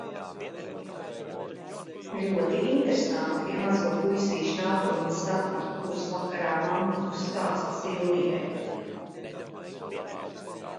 Loti interesanti ir mazo puisīšu nākotnes sapņi, kurus vakarā mammuks stāsta Silvijai.